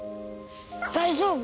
大丈夫？